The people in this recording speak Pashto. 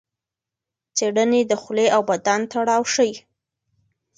څېړنې د خولې او بدن تړاو ښيي.